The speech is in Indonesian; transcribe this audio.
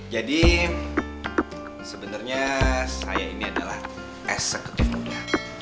jadi sebenernya saya ini adalah eksekutif muda